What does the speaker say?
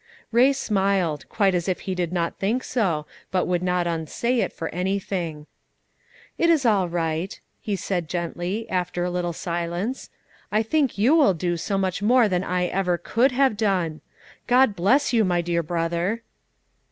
Ray smiled, quite as if he did not think so, but would not unsay it for anything. "It is all right," he said gently, after a little silence. "I think you will do so much more than I ever could have done. God bless you, my dear brother!"